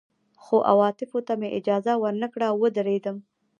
خو عواطفو ته مې اجازه ور نه کړه او ودېردم